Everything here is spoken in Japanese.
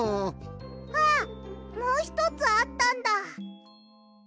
あっもうひとつあったんだ。